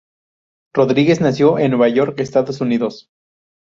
Rodríguez nació en New York, Estados Unidos.